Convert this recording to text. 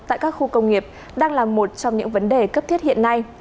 tại các khu công nghiệp đang là một trong những vấn đề cấp thiết hiện nay